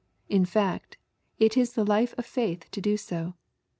In fact, it is the life of faith to do so.